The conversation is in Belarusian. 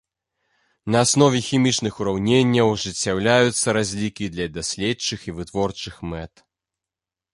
На аснове хімічных ураўненняў ажыццяўляюцца разлікі для даследчых і вытворчых мэт.